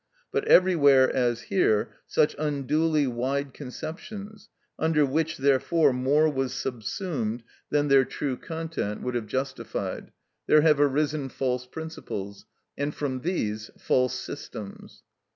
But everywhere, as here, such unduly wide conceptions, under which, therefore, more was subsumed than their true content would have justified, there have arisen false principles, and from these false systems.